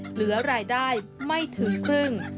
เหลือรายได้ไม่ถึงครึ่ง